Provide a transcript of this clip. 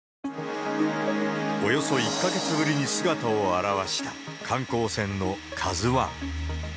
およそ１か月ぶりに姿を現した観光船のＫＡＺＵＩ。